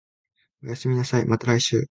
おやすみなさい、また来週